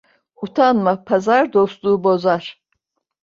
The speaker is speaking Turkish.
Utanma pazar, dostluğu bozar.